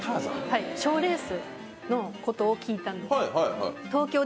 はい賞レースのことを聞いたんですはい